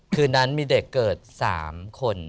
คืนนั้นมีเด็กเกิด๓คน